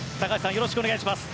よろしくお願いします。